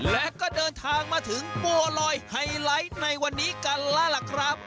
และก็เดินทางมาถึงบัวลอยไฮไลท์ในวันนี้กันแล้วล่ะครับ